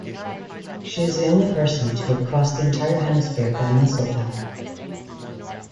She is the only person to have crossed the entire hemisphere by muscle power.